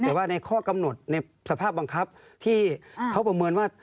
แต่ว่าในข้อกำหนดในสภาพบังคับที่เขาประเมินว่า